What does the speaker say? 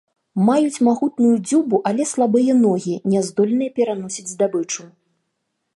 Маюць магутную дзюбу, але слабыя ногі, няздольныя пераносіць здабычу.